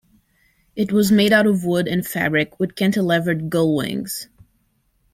It was made out of wood and fabric with cantilevered 'gull' wings.